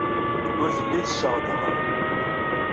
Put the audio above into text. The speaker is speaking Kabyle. Ur telli tessaɣ-d aɣrum.